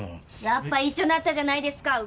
やっぱ行っちょなったじゃないですか鶯と！